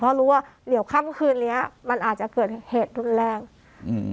เพราะรู้ว่าเดี๋ยวค่ำคืนเนี้ยมันอาจจะเกิดเหตุรุนแรงอืม